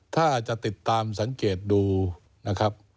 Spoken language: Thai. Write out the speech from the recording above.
ถ้าจะติดตามสังเกตดูนะครับ